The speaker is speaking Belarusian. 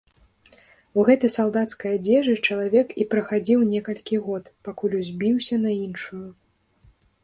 У гэтай салдацкай адзежы чалавек і прахадзіў некалькі год, пакуль узбіўся на іншую.